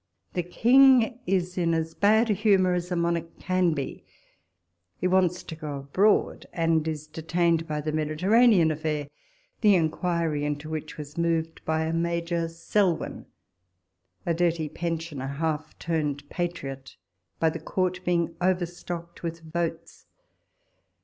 The King is in as bad humour as a monarch can be ; he wants to go abroad, and is detained by the Mediterranean affair ; the inquiry into which was moved by a Major Selwyn, a dirty pen sioner, half turned patriot, by the Court being overstocked with votes.